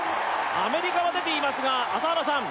アメリカは出ていますが朝原さん